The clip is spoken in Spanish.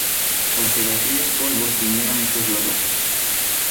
Porque de aquellos polvos vinieron estos lodos.